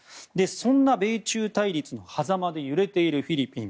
そんな米中対立のはざまで揺れているフィリピン。